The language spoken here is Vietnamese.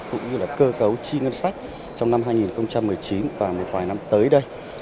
cũng như là cơ cấu chi ngân sách trong năm hai nghìn một mươi chín và một vài năm tới đây